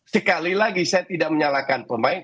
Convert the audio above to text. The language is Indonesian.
sekali lagi saya tidak menyalahkan pemain